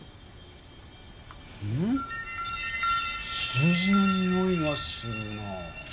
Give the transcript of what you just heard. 数字のにおいがするな。